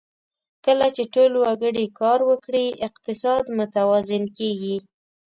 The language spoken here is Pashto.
کله چې ټول وګړي کار وکړي، اقتصاد متوازن کېږي.